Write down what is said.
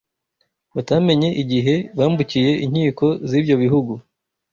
batamenye igihe bambukiye inkiko z’ibyo bihugu